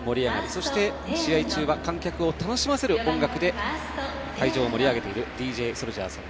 そして試合中は観客を楽しませる音楽で会場を盛り上げているＤＪＳＯＵＬＪＡＨさん。